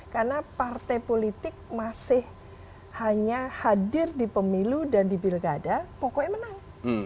karena partai politik masih hanya hadir di pemilu dan di bilkada pokoknya menang